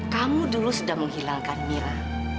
kamu dulu sudah menghilangkan mila